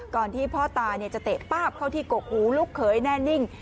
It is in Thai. ที่พ่อตาจะเตะป้าบเข้าที่กกหูลูกเขยแน่นิ่ง